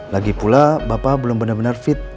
lagipula bapak belum benar benar fit